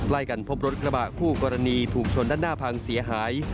กันพบรถกระบะคู่กรณีถูกชนด้านหน้าพังเสียหาย